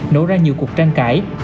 nổ ra nhiều cuộc tranh cãi